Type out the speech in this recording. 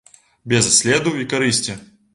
Без следу і карысці.